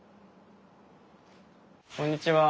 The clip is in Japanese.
こんにちは。